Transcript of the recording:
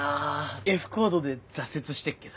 Ｆコードで挫折してっけど。